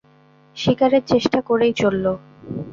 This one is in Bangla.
শিকারের চেষ্টা করেই চলল।